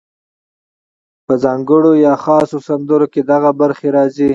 په ځانګړو یا خاصو سندرو کې دغه برخې راځي: